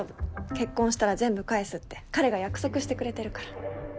結婚したら全部返すって彼が約束してくれてるから。